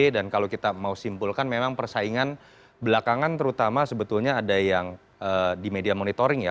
dan kalau kita mau simpulkan memang persaingan belakangan terutama sebetulnya ada yang di media monitoring ya